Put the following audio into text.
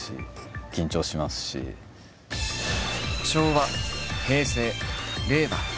昭和平成令和。